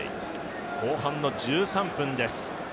後半の１３分です。